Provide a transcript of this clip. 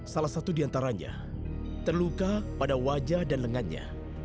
salah satu di antaranya terluka pada wajah dan lengannya